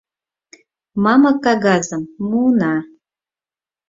Мамык кагазым муына.